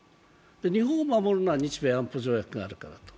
日本を守るのは日米安保条約があるから。